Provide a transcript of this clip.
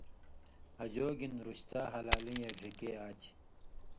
”ہجو گِنہۡ، رُشتا۔ ہلالیں اْے ڙِھکے آچھی“